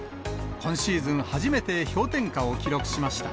今シーズン、初めて氷点下を記録しました。